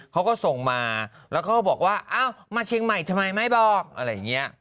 เขาก็ส่งมาแล้วเขาก็บอกว่าอ้าวมาเชียงใหม่ทำไมไม่บอกอะไรอย่างนี้